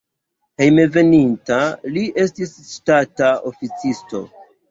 Hejmenveninta li estis ŝtata oficisto.